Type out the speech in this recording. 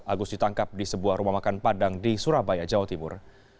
agus ditangkap di sebuah rumah makan padang di surabaya jawa timur